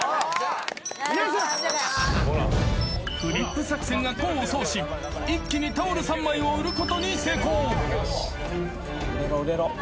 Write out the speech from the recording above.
［フリップ作戦が功を奏し一気にタオル３枚を売ることに成功］